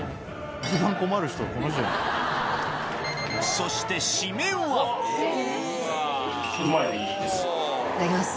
そして締めはいただきます。